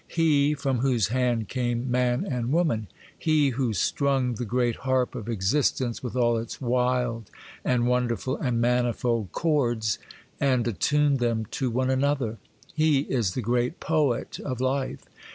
HE, from whose hand came man and woman,—HE, who strung the great harp of Existence with all its wild and wonderful and manifold chords, and attuned them to one another,—HE is the great Poet of life.